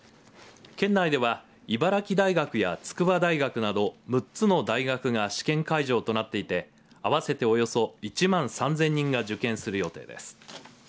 県内では茨城大学や筑波大学など６つの大学が試験会場となっていて合わせておよそ１万３０００人が受験する予定です。